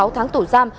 sáu tháng tủ giam